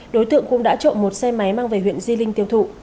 đối tượng cũng đã trộm một xe máy mang về huyện di linh tiêu thụ